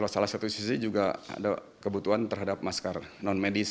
salah satu sisi juga ada kebutuhan terhadap masker non medis